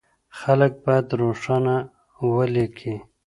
خلک بايد روښانه وليکي.